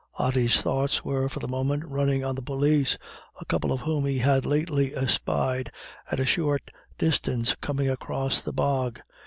Ody's thoughts were for the moment running on the police, a couple of whom he had lately espied at a short distance coming across the bog.